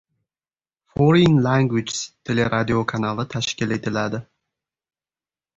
“Foreign Languages” teleradiokanali tashkil etiladi